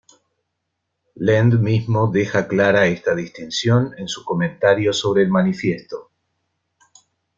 Land mismo deja clara esta distinción en su comentario sobre el manifiesto.